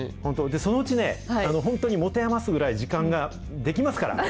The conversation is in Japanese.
そのうちね、本当に持て余すぐらい時間が出来ますから。